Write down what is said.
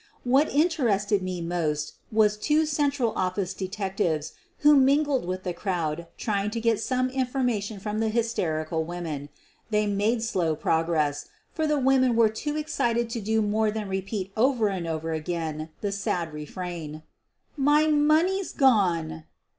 What interested me most was two Central Office detectives who mingled with the crowd trying to get some information from the hysterical women. They made slow progress, for the women were too excited to do more than repeat over and over again the sad refrain: "My money's gone!"